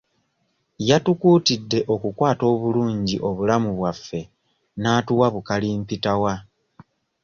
Yatukuutidde okukata obulungi obulamu bwaffe n'atuwa bu kalimpitawa.